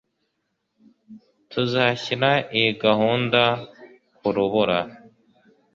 Tuzashyira iyi gahunda kurubura.